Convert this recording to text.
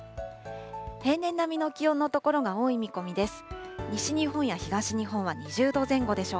平年並みの気温の所が多い見込みです。